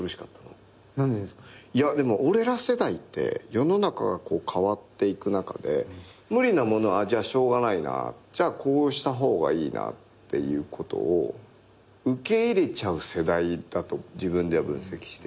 俺ら世代って世の中が変わっていく中で無理なものはしょうがないなじゃあこうした方がいいなっていうことを受け入れちゃう世代だと自分では分析して。